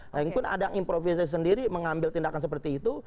laingpun ada yang improvisasi sendiri mengambil tindakan seperti itu